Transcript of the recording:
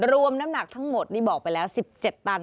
น้ำหนักทั้งหมดนี่บอกไปแล้ว๑๗ตัน